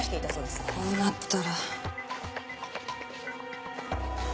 こうなったら。